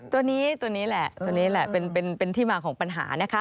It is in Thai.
ตัวนี้แหละเป็นที่มาของปัญหา